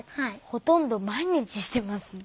ほとんど毎日していますね。